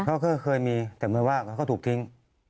เขาเคยมีแต่เมื่อว่าก็ถูกทิ้ง